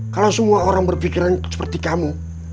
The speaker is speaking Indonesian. kalau semua orang berpikiran seperti kamu